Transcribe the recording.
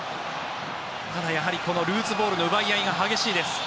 ただやはりルーズボールの奪い合いが激しいです。